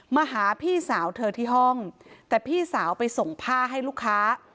มาหาพี่สาวเธอที่ห้องแต่พี่สาวไปส่งผ้าให้ลูกค้า